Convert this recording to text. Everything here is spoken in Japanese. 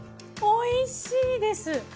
おいしいです！